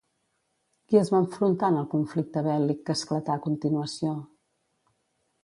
Qui es va enfrontar en el conflicte bèl·lic que esclatà a continuació?